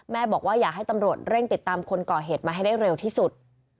บอกว่าอยากให้ตำรวจเร่งติดตามคนก่อเหตุมาให้ได้เร็วที่สุด